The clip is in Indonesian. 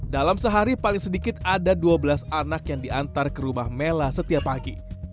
dalam sehari paling sedikit ada dua belas anak yang diantar ke rumah mela setiap pagi